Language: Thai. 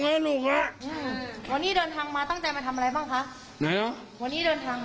วันนี้เดินทางมาทำอะไร